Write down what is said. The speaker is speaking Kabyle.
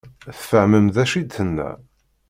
Tfehmem d acu i d-tenna?